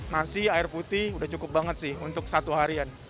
nasi air putih udah cukup banget sih untuk satu harian